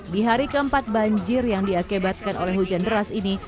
di hari keempat banjir yang diakibatkan oleh hujan deras ini